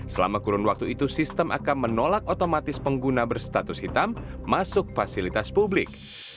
selama kurun waktu itu sistem akan menolak otomatis pengguna berstatus hitam masuk fasilitas publik